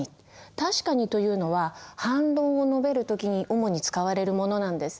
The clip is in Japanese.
「確かに」というのは反論を述べる時に主に使われるものなんです。